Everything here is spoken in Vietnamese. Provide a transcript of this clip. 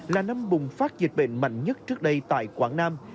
là năm bùng phát dịch bệnh mạnh nhất trước đây tại quảng nam